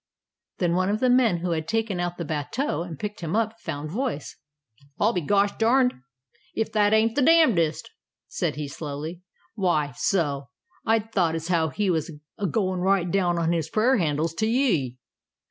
Then one of the men who had taken out the "bateau" and picked him up, found voice. "I'll be gosh darned ef that ain't the damnedest," said he, slowly. "Why, so, I'd thought as how he was a goin' right down on his prayer handles to ye.